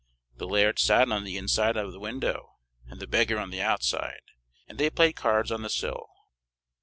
The laird sat on the inside of the window and the beggar on the outside, and they played cards on the sill.